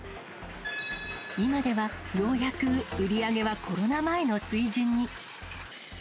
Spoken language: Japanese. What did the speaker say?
今では、ようやく売り上げはコロナ前の水準に。